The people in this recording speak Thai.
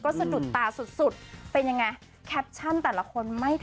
ก็สะดุดตาสุดเป็นยังไง